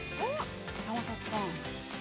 山里さん。